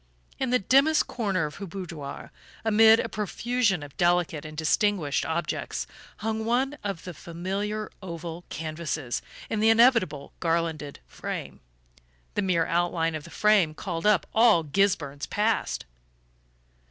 In the dimmest corner of her boudoir, amid a profusion of delicate and distinguished objects, hung one of the familiar oval canvases, in the inevitable garlanded frame. The mere outline of the frame called up all Gisburn's past!